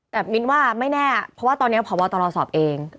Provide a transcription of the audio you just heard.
แบบมินว่าไม่แน่เพราะว่าตอนเนี้ยพอวาลตรสอบเองอืม